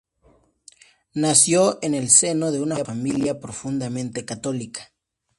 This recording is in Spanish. Nació en el seno de una familia profundamente católica.